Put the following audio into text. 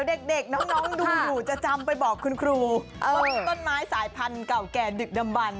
เด็กน้องดูอยู่จะจำไปบอกคุณครูต้นไม้สายพันธุ์เก่าแก่ดึกดำบัน